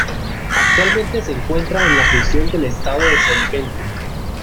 Actualmente se encuentra en la Prisión del Estado de San Quentin.